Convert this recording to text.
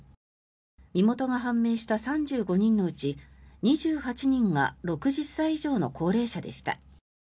身元が判明した３５人のうち２８人が６０歳以上の高齢者でした。